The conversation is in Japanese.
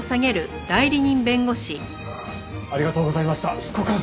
ありがとうございました執行官！